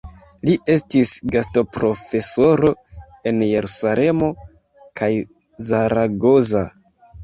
Li estis gastoprofesoro en Jerusalemo kaj Zaragoza.